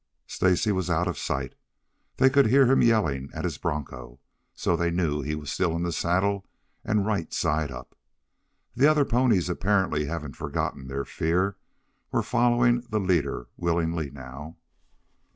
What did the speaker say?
Stacy was out of sight. They could hear him yelling at his broncho, so they knew he was still in the saddle and right side up. The other ponies, apparently having forgotten their fear, were following the leader willingly now.